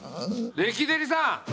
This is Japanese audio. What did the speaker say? レキデリさん。